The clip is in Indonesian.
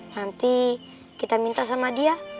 nanti kita minta sama dia